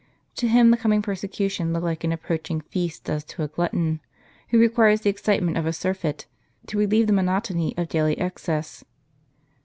To him the coming persecution looked like an approaching feast does to a glutton, who requires the excitement of a surfeit to relieve the monotony of daily excess.